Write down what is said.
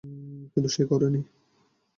কিন্তু সে করেনি।